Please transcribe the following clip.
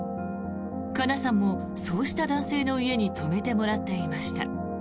かなさんも、そうした男性の家に泊めてもらっていました。